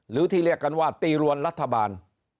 หรือที่เรียกกันว่าตีรวนรัฐบาล